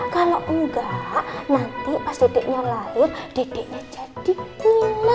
kalau enggak nanti pas dedeknya lahir dedeknya jadi ngiler